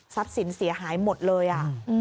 ทรัพย์สินเสียหายหมดเลยอ่ะ